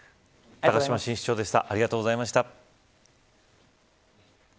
高島新市長でした。